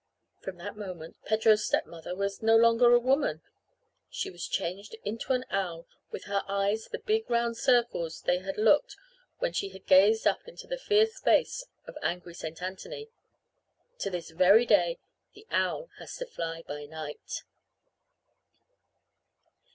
From that moment Pedro's stepmother was no longer a woman. She was changed into an owl with her eyes the big round circles they had looked when she had gazed up into the fierce face of angry St. Anthony. To this very day the owl has to fly by night.